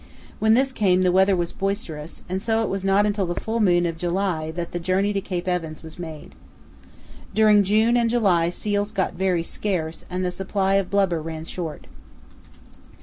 When this came the weather was boisterous, and so it was not until the full moon of July that the journey to Cape Evans was made. During June and July seals got very scarce, and the supply of blubber ran short.